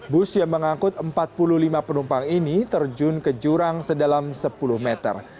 bus yang mengangkut empat puluh lima penumpang ini terjun ke jurang sedalam sepuluh meter